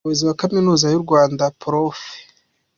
Umuyobozi wa Kaminuza y’u Rwanda, Prof.